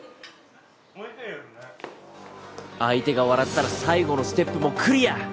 相手が笑ったら最後のステップもクリア。